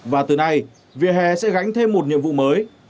và từ nay vỉa hè sẽ gánh thêm một nhiệm vụ mới